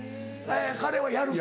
彼は「やる」。